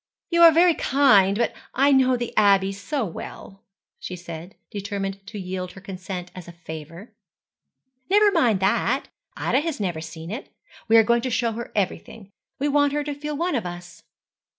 'You are very kind, but I know the Abbey so well,' she said, determined to yield her consent as a favour. 'Never mind that. Ida has never seen it. We are going to show her everything. We want her to feel one of us.'